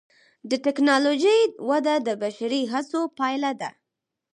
د ټکنالوجۍ وده د بشري هڅو پایله ده.